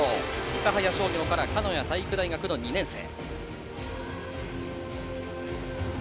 諫早商業から鹿屋体育大学２年生。